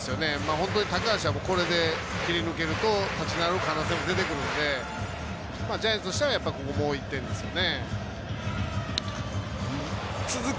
本当に高橋はこれで立ち直る可能性もあるのでジャイアンツとしてはここ、もう１点ですよね。